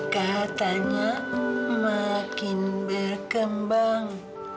katanya makin berkembang